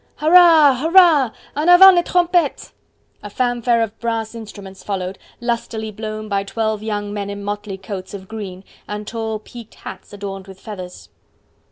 "Hurrah! Hurrah! en avant les trompettes!" A fanfare of brass instruments followed, lustily blown by twelve young men in motley coats of green, and tall, peaked hats adorned with feathers.